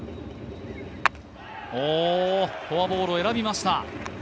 フォアボールを選びました。